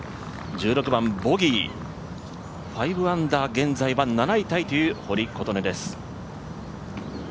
１６番、ボギー、５アンダー、７位タイという堀琴音です